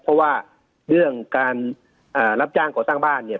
เพราะว่าเรื่องการรับจ้างก่อสร้างบ้านเนี่ย